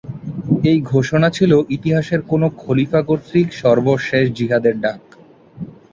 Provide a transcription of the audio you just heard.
এই ঘোষণা ছিল ইতিহাসের কোনো খলিফা কর্তৃক সর্বশেষ জিহাদের ডাক।